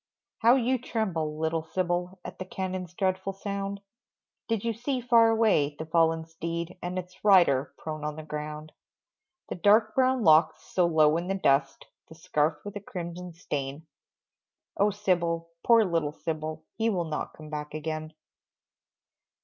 How you tremble, little Sybil, At the cannons' dreadful sound, Did you see far away, the fallen steed, And its rider prone on the ground? The dark brown locks so low in the dust, The scarf with a crimson stain Oh, Sybil, poor little Sybil, He will not come back again.